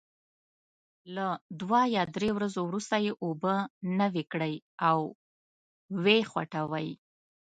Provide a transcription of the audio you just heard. له دوه یا درې ورځو وروسته یې اوبه نوي کړئ او وې خوټوئ.